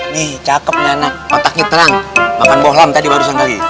nih cakepnya nak kotaknya terang makan bohlam tadi baru sangkagi